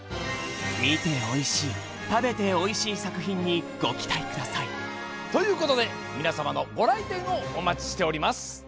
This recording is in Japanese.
みておいしい食べておいしいさくひんにごきたいくださいということでみなさまのごらいてんをおまちしております。